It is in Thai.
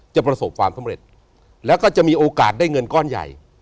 ประสบความสำเร็จแล้วก็จะมีโอกาสได้เงินก้อนใหญ่